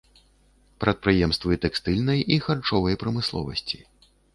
Прадпрыемствы тэкстыльнай і харчовай прамысловасці.